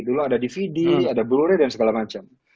dulu ada dvd ada blu ray dan segala macam